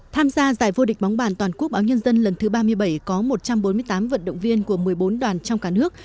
tham gia giải vô địch bóng bàn toàn quốc báo nhân dân lần thứ ba mươi bảy có một trăm bốn mươi tám vận động viên của một mươi bốn đoàn trong cả nước